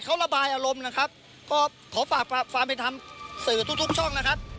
เขาระบายอารมณ์ขอฝากฝ่ามันทำสื่อทุกช่อง